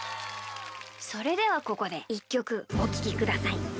それではここで１きょくおききください。